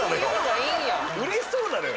うれしそうなのよ。